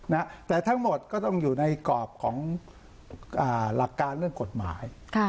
นะแต่ทั้งหมดก็ต้องอยู่ในกรอบของหลักการเรื่องกฎหมาย